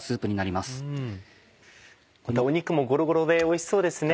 また肉もゴロゴロでおいしそうですね。